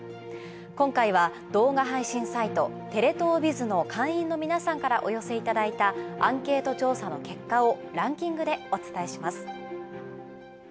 今回は動画配信サイト・テレ東ＢＩＺの会員の皆さんからお寄せいただいたアンケート調査の結果をランキングでお伝えします。